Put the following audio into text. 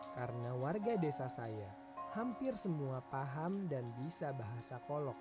karena warga desa saya hampir semua paham dan bisa bahasa polok